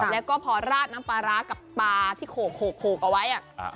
แล้วก็พอราดน้ำปลาร้ากับปลาที่โขกเอาไว้